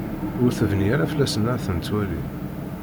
Ur tebni ara fell-asen ad ten-twali.